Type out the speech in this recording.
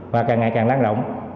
và càng ngày càng lan rộng